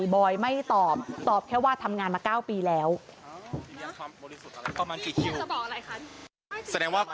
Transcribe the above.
บอยไม่ตอบตอบแค่ว่าทำงานมา๙ปีแล้ว